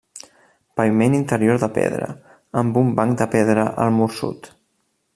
Paviment interior de pedra, amb un banc de pedra al mur sud.